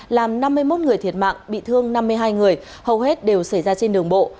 làm năm mươi một người thiệt mạng bị thương năm mươi hai người hầu hết đều xảy ra trên đường bộ